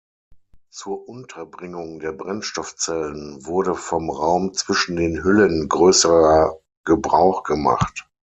Zur Unterbringung der Brennstoffzellen wurde vom Raum zwischen den Hüllen größerer Gebrauch gemacht.